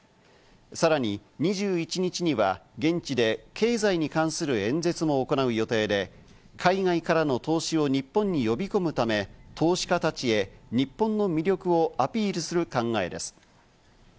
さらに２１日には現地で経済に関する演説も行う予定で、海外からの投資を日本に呼び込むため、投資家たちへ、日本の魅力をアピールする考えです。